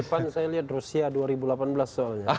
depan saya lihat rusia dua ribu delapan belas soalnya